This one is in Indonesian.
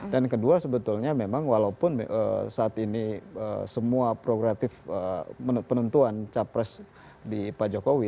dan kedua sebetulnya memang walaupun saat ini semua progratif penentuan capres di pak jokowi